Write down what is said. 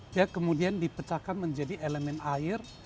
dia kemudian dipecahkan menjadi elemen air